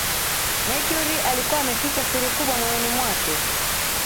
mercury alikuwa ameficha siri kubwa moyoni mwake